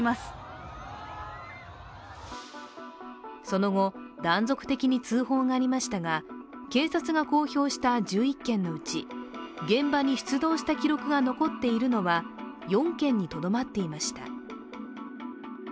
その後、断続的に通報がありましたが警察が公表した１１件のうち現場に出動した記録が残っているのは４件にとどまっていました。